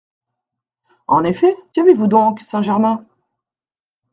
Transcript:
En effet, qu’avez-vous donc, Saint-Germain ?…